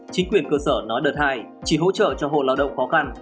chính quyền cơ sở nói đợt hai chỉ hỗ trợ cho hộ lao động khó khăn